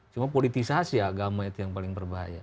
cuma politisasi agama itu yang paling berbahaya